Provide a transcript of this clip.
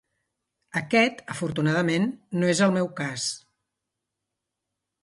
Aquest, afortunadament, no és el meu cas.